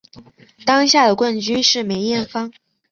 当年的冠军是梅艳芳。